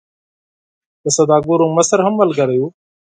د سوداګرو مشر هم ملګری وو.